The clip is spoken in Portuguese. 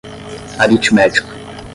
aritmético